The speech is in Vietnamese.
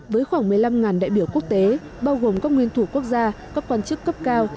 với khoảng một mươi năm đại biểu quốc tế bao gồm các nguyên thủ quốc gia các quan chức cấp cao